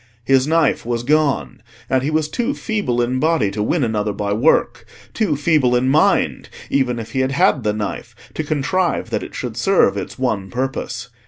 His knife was gone, and he was too feeble in body to win another by work, too feeble in mind, even if he had had the knife, to contrive that it should serve its one purpose.